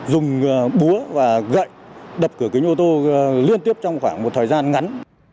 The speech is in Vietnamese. dùng búa và gậy đập cửa kính ô tô liên tiếp trong khoảng một thời gian ngắn